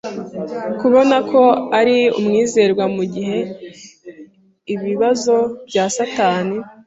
kubona ko ari umwizerwa mu gihe ibibazo bya Satani